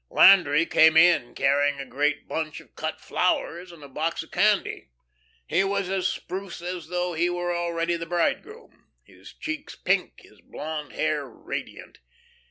Landry came in, carrying a great bunch of cut flowers, and a box of candy. He was as spruce as though he were already the bridegroom, his cheeks pink, his blonde hair radiant.